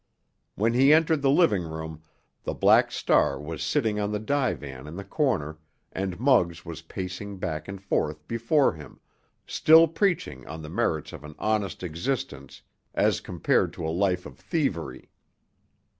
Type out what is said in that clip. When he entered the living room, the Black Star was sitting on the divan in the corner, and Muggs was pacing back and forth before him, still preaching on the merits of an honest existence as compared to a life of thievery.